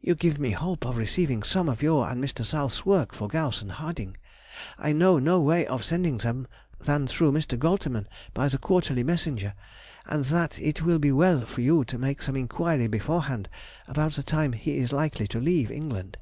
You give me hope of receiving some of your and Mr. South's works for Gauss and Harding. I know no way of sending them than through Mr. Goltermann by the quarterly messenger, and that it will be well for you to make some inquiry beforehand about the time he is likely to leave England.